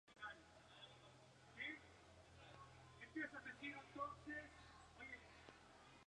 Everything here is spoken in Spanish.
Los verbos consonante-raíz son los verbos de cuarto grado, N-irregular y R-irregular.